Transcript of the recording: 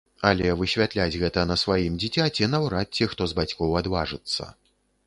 Але высвятляць гэта на сваім дзіцяці наўрад ці хто з бацькоў адважыцца.